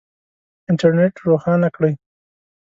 انټرنېټ روښانه کړئ